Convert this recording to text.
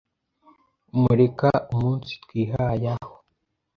mureka umunsitwihaya ho